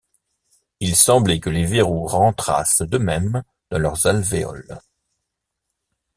Il semblait que les verrous rentrassent d’eux-mêmes dans leurs alvéoles.